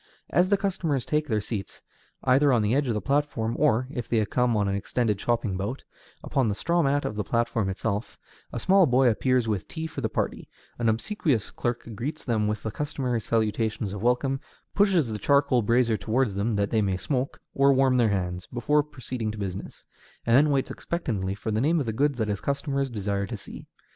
As the customers take their seats, either on the edge of the platform, or, if they have come on an extended shopping bout, upon the straw mat of the platform itself, a small boy appears with tea for the party; an obsequious clerk greets them with the customary salutations of welcome, pushes the charcoal brazier toward them, that they may smoke, or warm their hands, before proceeding to business, and then waits expectantly for the name of the goods that his customers desire to see.